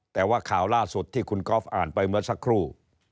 แต่ว่าข่าวล่าสุดที่คุณก๊อฟอ่านไปเมื่อสักครู่